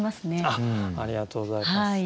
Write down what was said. ありがとうございます。